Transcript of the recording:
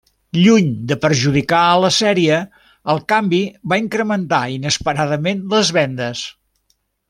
Lluny de perjudicar a la sèrie, el canvi va incrementar inesperadament les vendes.